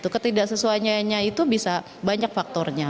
ketidaksesuaiannya itu bisa banyak faktornya